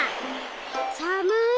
さむい。